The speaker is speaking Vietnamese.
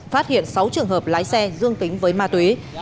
phát hiện sáu trường hợp lái xe dương tính với ma túy